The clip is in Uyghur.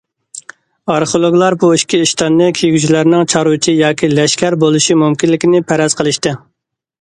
ئارخېئولوگلار بۇ ئىككى ئىشتاننى كىيگۈچىلەرنىڭ چارۋىچى ياكى لەشكەر بولۇشى مۇمكىنلىكىنى پەرەز قىلىشتى.